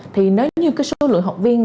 thì nếu như cái số lượng học viên